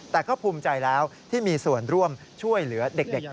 แต่ก็ภูมิใจแล้วที่มีส่วนร่วมช่วยเหลือเด็ก